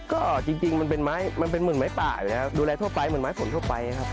ก็จริงมันเป็นหมึ่งไม้ป่าอย่างนี้ครับ